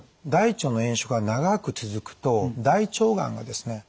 大腸の炎症が長く続くと大腸がんがですね